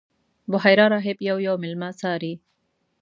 بحیرا راهب یو یو میلمه څاري.